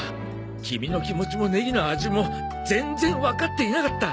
キミの気持ちもネギの味も全然わかっていなかった！